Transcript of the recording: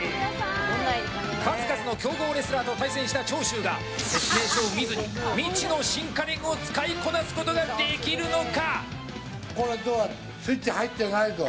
数々の強豪レスラーと対戦した長州が説明書を見ずに未知の新家電を使いこなすことができるのか！